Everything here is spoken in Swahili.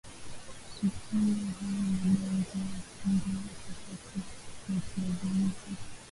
Sukuma hayo madonge ya unga wa chapati za kiazi lishe